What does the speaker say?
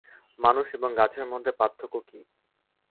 মানুষ এবং গাছের মধ্যে পার্থক্য কী?